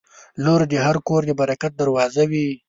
• لور د هر کور د برکت دروازه وي.